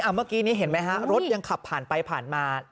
เมื่อกี้นี้เห็นไหมฮะรถยังขับผ่านไปผ่านมา